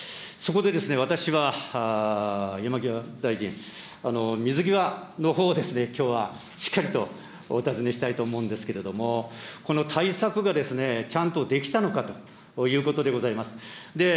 そこで、私は山際大臣、水際のほうを、きょうはしっかりとお尋ねしたいと思うんですけれども、この対策がちゃんとできたのかということでございます。